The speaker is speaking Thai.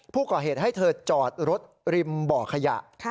ผู้ก่อเหตุให้เธอจอดรถริมบ่อขยะ